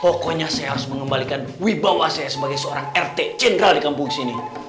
pokoknya saya harus mengembalikan wibawa saya sebagai seorang rt jenderal di kampung sini